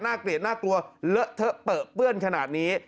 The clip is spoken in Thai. เกลียดน่ากลัวเลอะเทอะเปลือเปื้อนขนาดนี้